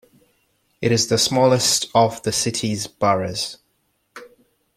It is the smallest of the city's boroughs.